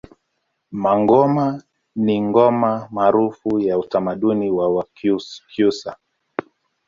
Mangoma ni ngoma maarufu ya utamaduni wa Wanyakyusa